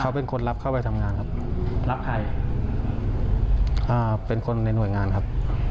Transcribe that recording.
เขาเป็นคนรับเข้าไปทำงานครับรับไอเป็นคนในหน่วยงานครับ